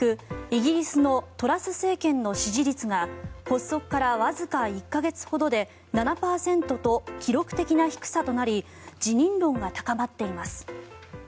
イギリスのトラス政権の支持率が発足からわずか１か月ほどで７％と、記録的な低さとなり辞任論が高まっています。